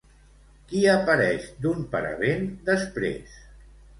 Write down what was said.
Qui apareix d'un paravent després?